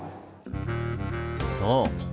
そう！